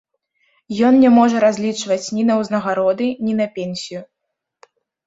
Ён не можа разлічваць ні на ўзнагароды, ні на пенсію.